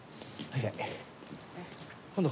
はい。